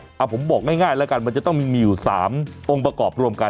เอาผมบอกง่ายแล้วกันมันจะต้องมีอยู่๓องค์ประกอบรวมกัน